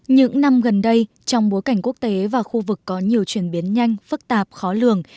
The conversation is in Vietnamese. những năm gần đây trong bối cảnh quốc tế và khu vực có nhiều chuyển biến nhanh phức tạp khó lường